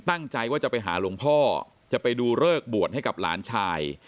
ตั้งใจว่าจะไปหาหลวงพ่อจะไปดูเลิกบวชให้กับหลานชาย